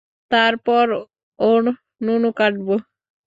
তারপর ওর নুনু কাটব।